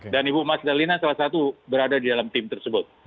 dan ibu mas dalina salah satu berada di dalam tim tersebut